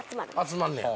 集まんねや。